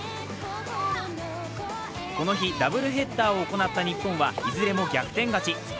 この日、ダブルヘッダーを行った日本はいずれも逆転勝ち。